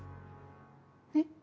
えっ。